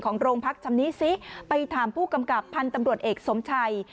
สองสามีภรรยาคู่นี้มีอาชีพ